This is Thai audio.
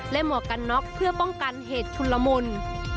และหมวกการน๊อกเพื่อป้องกันเหตุชุนละมนต์